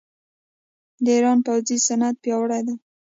د ایران پوځي صنعت پیاوړی دی.